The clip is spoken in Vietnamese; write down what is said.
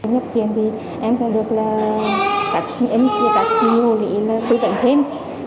nhất kiện thì em không được là các nhiệm vụ tư tận thêm